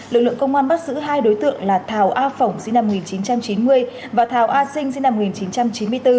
lực lượng công an bắt giữ hai đối tượng là thảo a ph phỏng sinh năm một nghìn chín trăm chín mươi và thảo a sinh sinh năm một nghìn chín trăm chín mươi bốn